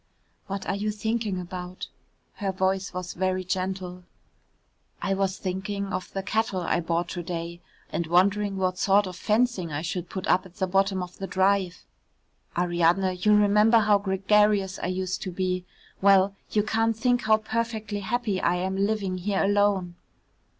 "What are you thinking about?" her voice was very gentle. "I was thinking of the cattle I bought to day, and wondering what sort of fencing I should put up at the bottom of the drive. Ariadne, you remember how gregarious I used to be; well, you can't think how perfectly happy I am living here alone."